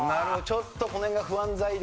ちょっとこの辺が不安材料ですか。